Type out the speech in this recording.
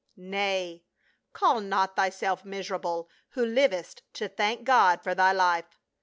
" Nay, call not thyself miserable, who livest to thank God for thy life."